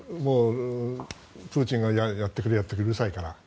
プーチンがやってくれ、やってくれってうるさいから。